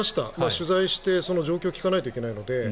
取材して、その状況を聞かないといけないので。